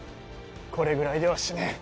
これぐらいでは死ねん。